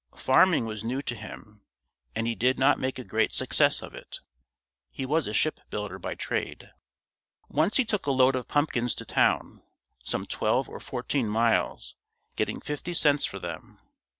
Farming was new to him and he did not make a great success of it. He was a ship builder by trade. Once he took a load of pumpkins to town, some twelve or fourteen miles, getting fifty cents for them.